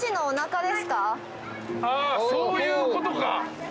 あそういうことか。